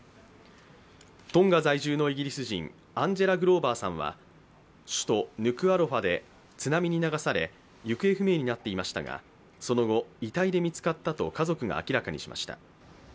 トンガ在住のイギリス人、アンジェラ・グローバーさんは首都ヌクアロファで津波に流され行方不明になっていましたがその後、遺体で見つかったと家族が明らかにしました。